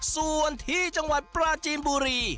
ส่วนที่จังหวัดปราจีนบุรี